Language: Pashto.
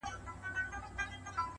ماته د مار خبري ډيري ښې دي ـ